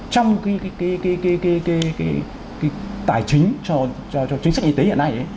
trong cái tài chính cho chính sách y tế hiện nay